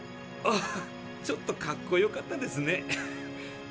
あちょっとかっこよかったですね。